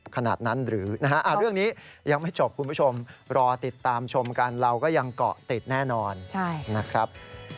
ครูเดียวนะครับ